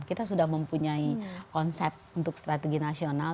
kita sudah mempunyai konsep untuk strategi nasional